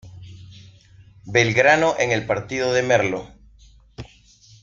Belgrano en el partido de Merlo.